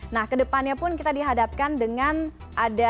nah kedepannya pun kita dihadapkan dengan adanya